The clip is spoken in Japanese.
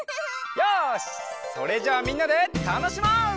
よしそれじゃあみんなでたのしもう！